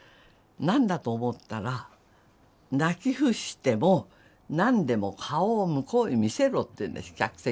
何だと思ったら「泣き伏しても何でも顔を向こうに見せろ」って言うんです客席へ。